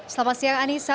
selamat siang anissa